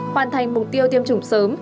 hoàn thành mục tiêu tiêm chủng sớm